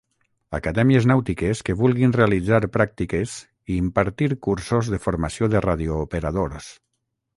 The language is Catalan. Acadèmies nàutiques que vulguin realitzar pràctiques i impartir cursos de formació de radiooperadors.